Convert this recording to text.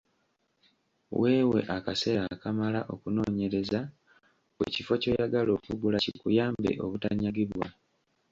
Weewe akaseera akamala okunoonyereza ku kifo ky'oyagala okugula kikuyambe obutanyagibwa.